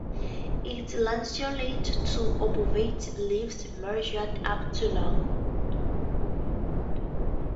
Its lanceolate to obovate leaves measure up to long.